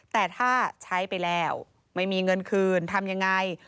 แต่ถ้าใช้ไปแล้วไม่มีเงินคืนทำยังไง